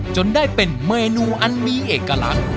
จนได้เป็นเมนูอันมีเอกลักษณ์